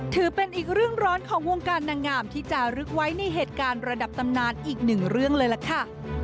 ถือเป็นอีกเรื่องร้อนของวงการนางงามที่จะลึกไว้ในเหตุการณ์ระดับตำนานอีกหนึ่งเรื่องเลยล่ะค่ะ